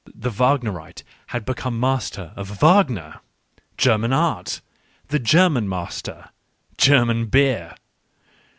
! The Wagnerite had become master of Wagner !— German art! the German master! German beer